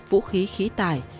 vũ khí khí tải